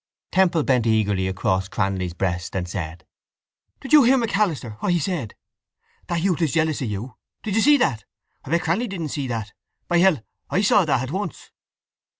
Temple bent eagerly across Cranly's breast and said: —Did you hear MacAlister what he said? That youth is jealous of you. Did you see that? I bet Cranly didn't see that. By hell, I saw that at once.